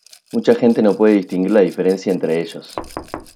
Mucha gente no puede distinguir la diferencia entre ellos.